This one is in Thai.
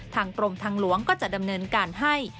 ทางกรมทางหลวงก็จะดำเนินการให้